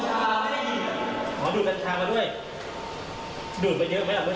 ใช้ทะเลาะอะไรกับครูเนียรึเปล่า